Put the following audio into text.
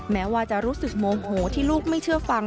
แม้ว่าจะรู้สึกโมโหที่ลูกไม่เชื่อฟัง